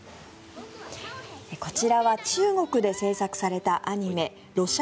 こちらは中国で制作されたアニメ「羅小黒